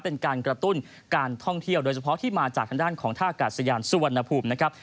เป็นการกระตุ้นการท่องเที่ยวโดยเฉพาะที่มาจากทางด้านของท่ากาศยานสุวรรณภูมินะครับ